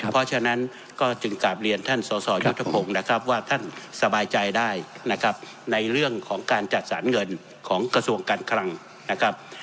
เพราะฉะนั้นก็จึงกลับเรียนท่านสสยุทธพงศ์นะครับว่าท่านสบายใจได้นะครับในเรื่องของการจัดสรรเงินของกระทรวงการคลังนะครับ